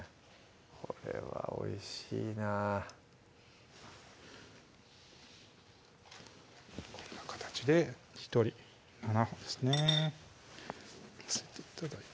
これはおいしいなこんな形で１人７本ですね